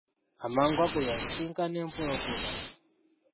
Amangu ago, yasisinkana empologoma!